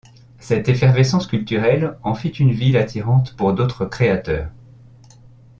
Cette effervescence culturelle en fit une ville attirante pour d’autres créateurs.